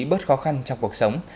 bớt khó khăn trong cuộc sống